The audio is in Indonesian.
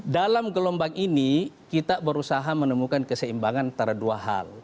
dalam gelombang ini kita berusaha menemukan keseimbangan antara dua hal